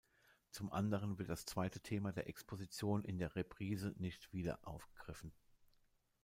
Zum anderen wird das zweite Thema der Exposition in der Reprise nicht wieder aufgegriffen.